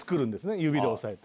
指で押さえて。